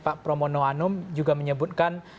pak promo noanum juga menyebutkan